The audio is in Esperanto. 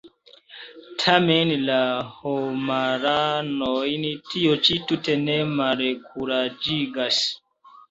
Tamen la homaranojn tio ĉi tute ne malkuraĝigas.